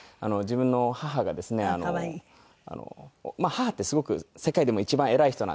母ってすごく世界でも一番偉い人なんですけど。